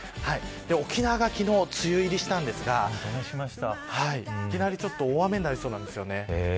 沖縄が昨日梅雨入りしたんですがいきなりちょっと大雨になりそうなんです。